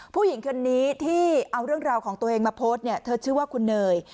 ผู้หญิงคนนี้ที่เอาเรื่องราวของตัวเองมาโพสต์เนี่ยเธอชื่อว่าคุณเนย